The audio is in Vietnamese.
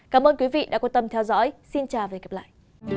cảm ơn quý vị đã quan tâm theo dõi xin chào và hẹn gặp lại